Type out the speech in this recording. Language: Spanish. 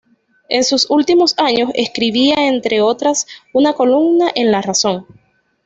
En sus últimos años, escribía entre otras una columna en "La Razón".